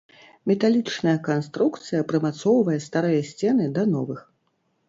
Металічная канструкцыя прымацоўвае старыя сцены да новых.